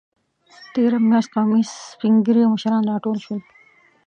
تېره میاشت قومي سپینږیري او مشران راټول شول.